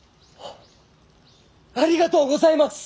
ありがとうございます！